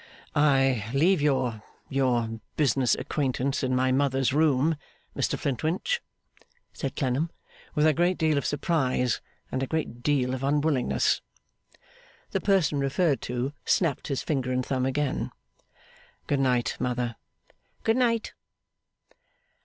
'I leave your your business acquaintance in my mother's room, Mr Flintwinch,' said Clennam, 'with a great deal of surprise and a great deal of unwillingness.' The person referred to snapped his finger and thumb again. 'Good night, mother.' 'Good night.